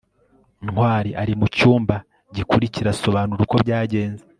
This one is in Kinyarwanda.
ntwali ari mucyumba gikurikira, asobanura uko byagenze